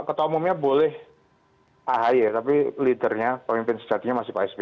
ketua umumnya boleh ahi ya tapi lidernya pemimpin sejatinya masih pak sbi